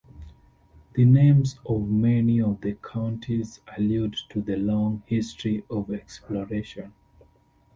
The names of many of the counties allude to the long history of exploration.